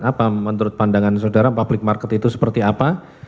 apa menurut pandangan saudara public market itu seperti apa